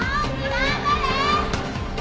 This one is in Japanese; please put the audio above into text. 頑張れ！